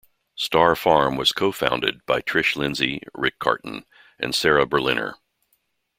Star Farm was co-founded by Trish Lindsay, Rick Carton and Sara Berliner.